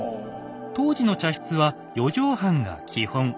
当時の茶室は４畳半が基本。